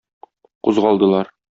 Кузгалдылар.